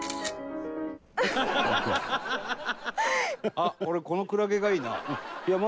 あっ俺このクラゲがいいな。